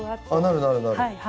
なるなるなる。